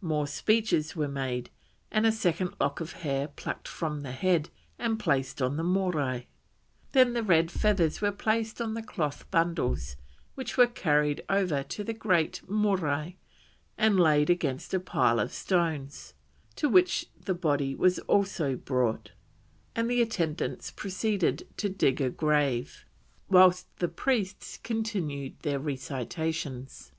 More speeches were made, and a second lock of hair plucked from the head and placed on the Morai. Then the red feathers were placed on the cloth bundles, which were carried over to the great Morai and laid against a pile of stones, to which the body was also brought, and the attendants proceeded to dig a grave, whilst the priests continued their recitations.